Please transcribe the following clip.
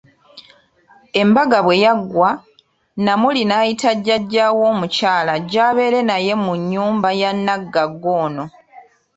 Embaga bwe yaggwa, Namuli n'ayita jjaja we omukyala ajje abeere naye mu nnyumba ya naggagga ono.